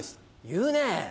言うねぇ。